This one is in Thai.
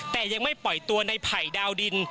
แต่ยังไม่ปล่อยตัวในไผ่ดาวดิน